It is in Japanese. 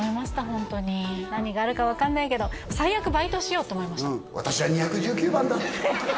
ホントに何があるか分かんないけど最悪バイトしようと思いました